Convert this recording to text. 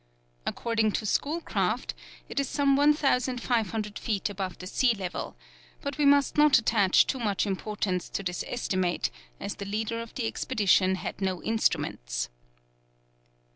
According to Schoolcraft it is some 1500 feet above the sea level; but we must not attach too much importance to this estimate, as the leader of the expedition had no instruments.